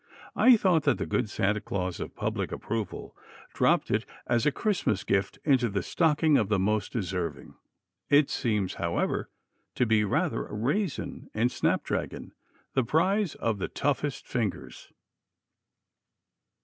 I thought that the good Santa Claus of public approval dropped it as a Christmas gift into the stocking of the most deserving. It seems, however, to be rather a raisin in snap dragon the prize of the toughest fingers."